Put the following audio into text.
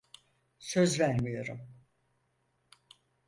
Söz vermiyorum.